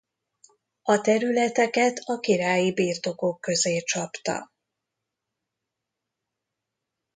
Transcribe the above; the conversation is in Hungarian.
A területeket a királyi birtokok közé csapta.